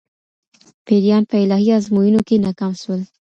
پيريان په الهي ازموينو کي ناکام سول